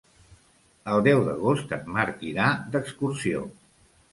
El deu d'agost en Marc irà d'excursió.